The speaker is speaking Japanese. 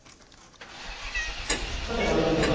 さて番組では＃